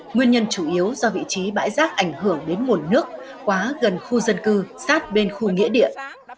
nguyên nhân chủ yếu do vị trí bãi rác ảnh hưởng đến nguồn nước quá gần khu dân cư sát bên khu nghĩa điện